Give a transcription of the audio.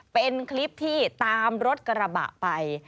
เป็นคลิปที่ตามรถกระบะไป